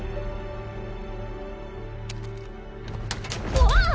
うわっ！